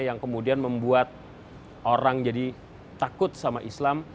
yang kemudian membuat orang jadi takut sama islam